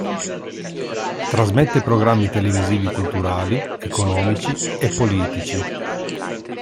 Trasmette programmi televisivi culturali, economici e politici.